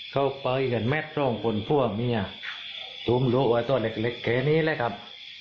เขาไปกันแม่ทรงคลพวกมีทุ่มลูกไอ้ตัวเล็กแค่นี้แหละครับ